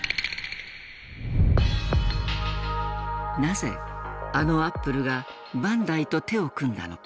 なぜあのアップルがバンダイと手を組んだのか。